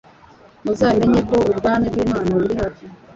muzamenye ko ubwami bw'Imana buri hafi."